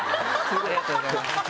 ありがとうございます。